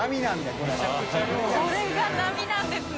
これが並なんですね。